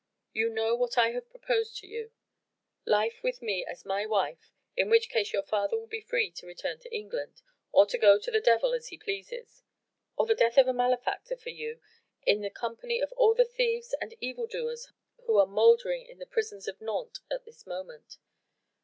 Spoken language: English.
You know what I have proposed to you: Life with me as my wife in which case your father will be free to return to England or to go to the devil as he pleases or the death of a malefactor for you both in the company of all the thieves and evil doers who are mouldering in the prisons of Nantes at this moment.